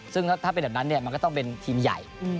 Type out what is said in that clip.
ซึ่งถ้าเป็นแบบนั้นมันก็ต้องเป็นทีมใหญ่